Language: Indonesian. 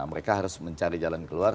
mereka harus mencari jalan keluar